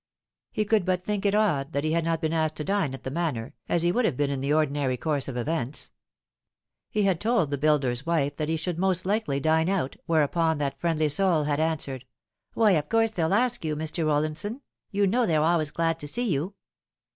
He could but think it odd that he had not been asked to dine at the Manor, as he would have been in the ordinary course of events. He had told the builder's wife that he should most likely dine out, whereupon that friendly soul had answered, " Why, of course they'll ask you, Mr. Rollinson. You know they're always glad to see you."